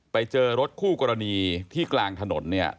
ไปเจอรถคู่กรณีที่กลางถนนเนี่ย